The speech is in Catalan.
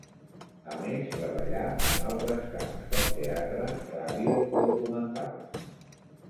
A més treballà en altres camps, com teatre, ràdio o documentals.